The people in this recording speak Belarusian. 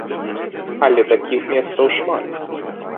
Але такіх месцаў шмат.